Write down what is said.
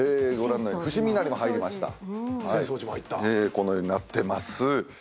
このようになってます。